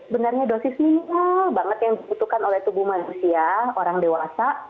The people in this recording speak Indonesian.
benarnya dosis minimal banget yang dibutuhkan oleh tubuh manusia orang dewasa